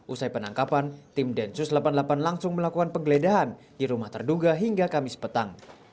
usai penangkapan tim densus delapan puluh delapan langsung melakukan penggeledahan di rumah terduga hingga kamis petang